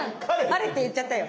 彼って言っちゃったよ。